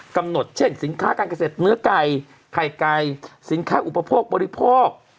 กำหนดเช่นสินค้าการเกษตรเนื้อไก่ไข่ไก่สินค้าอุปโภคบริโภค